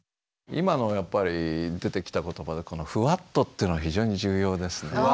今のやっぱり出てきた言葉で「フワッと」っていうの非常に重要ですね。